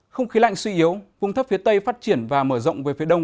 không khí lạnh suy yếu vùng thấp phía tây phát triển và mở rộng về phía đông